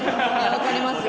わかります？